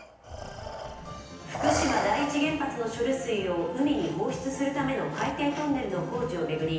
福島第一原発の処理水を海に放出するための海底トンネルの工事を巡り